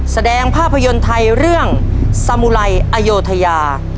แสดงภาพยนตร์ไทยเรื่องสมุไรอโยธยา